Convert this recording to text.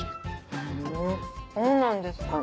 ふんそうなんですか